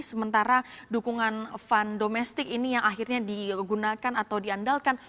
sementara dukungan fun domestik ini yang akhirnya digunakan atau diandalkan